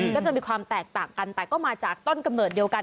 ก็จะมีความแตกต่างกันแต่ก็มาจากต้นกำเนิดเดียวกัน